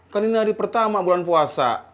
kan ini hari pertama bulan puasa